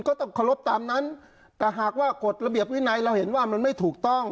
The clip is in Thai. ก็ต้องเคารพตามนั้นแต่หากว่ากฎระเบียบวินัยเราเห็นว่ามันไม่ถูกต้อง